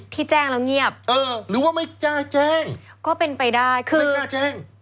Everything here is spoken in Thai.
ที่แจ้งแล้วเงียบเออหรือว่าไม่กล้าแจ้งก็เป็นไปได้คือไม่กล้าแจ้ง